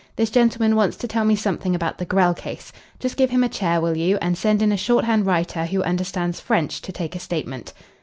"This gentleman wants to tell me something about the Grell case. Just give him a chair, will you, and send in a shorthand writer who understands French to take a statement."